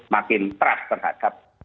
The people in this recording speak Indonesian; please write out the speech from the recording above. makin teras terhadap